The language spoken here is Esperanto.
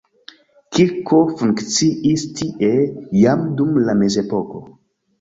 Kirko funkciis tie jam dum la mezepoko.